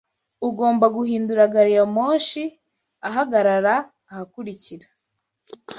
Ugomba guhindura gari ya moshi ahagarara ahakurikira.